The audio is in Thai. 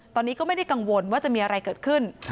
ตอนนี้ก็ไม่ได้กังวลว่าจะมีอะไรเกิดขึ้น